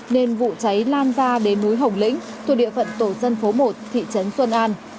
nên vụ cháy lan ra đến núi hồng lĩnh thuộc địa phận tổ dân phố một thị trấn xuân an